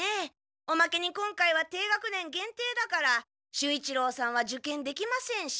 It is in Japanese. おまけに今回は低学年限定だから守一郎さんは受験できませんし。